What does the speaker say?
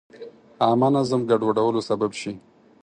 عامه نظم ګډوډولو سبب شي.